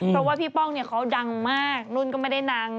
เพราะว่าพี่ป้องเนี่ยเขาดังมากนุ่นก็ไม่ได้ดัง